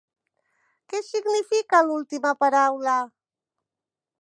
Què significa l'última paraula?